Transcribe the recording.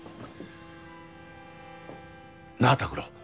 なあ拓郎。